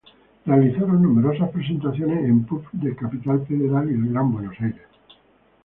Realizaron numerosas presentaciones en pubs de Capital Federal y el Gran Buenos Aires.